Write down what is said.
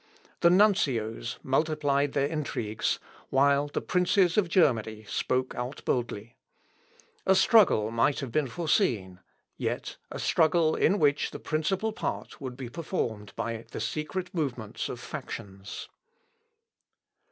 The nuncios multiplied their intrigues, while the princes of Germany spoke out boldly. A struggle might have been foreseen, yet a struggle in which the principal part would be performed by the secret movements of factions.